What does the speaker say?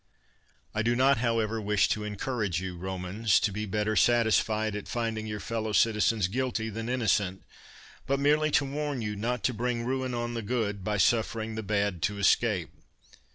I do not, however, wish to encourage you, Romans, to be better satisfied at finding your fellow citizens guilty than innocent, but merely to warn you not to bring ruin on the good, by suffering the bad to escape.